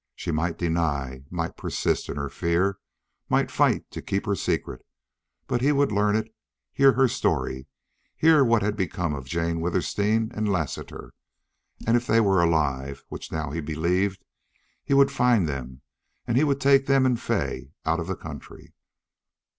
She might deny, might persist in her fear, might fight to keep her secret. But he would learn it hear her story hear what had become of Jane Withersteen and Lassiter and if they were alive, which now he believed he would find them and he would take them and Fay out of the country.